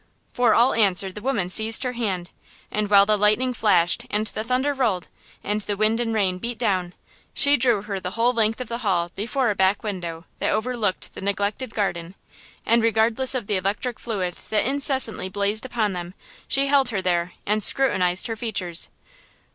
For all answer the woman seized her hand, and while the lightning flashed and the thunder rolled, and the wind and rain beat down, she drew her the whole length of the hall before a back window that overlooked the neglected garden, and, regardless of the electric fluid that incessantly blazed upon them, she held her there and scrutinized her features.